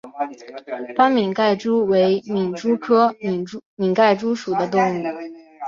斑皿盖蛛为皿蛛科皿盖蛛属的动物。